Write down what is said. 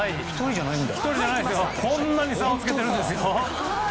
こんなに差をつけているんです。